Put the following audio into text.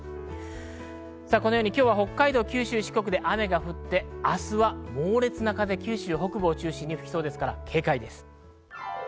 今日は北海道、九州、四国で雨が降って明日は猛烈な風、九州北部を中心に吹きそうです。